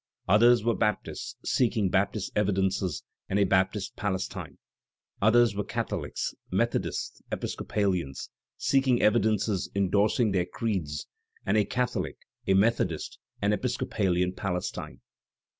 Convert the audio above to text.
Others were Baptists, seeking Baptist evidences and a Baptist Palestine. Others were Catholics, Methodists, Episcopalians, seeking evidences indorsing their creeds, and a Catholic, a Methodist, an Episcopalian Palestine.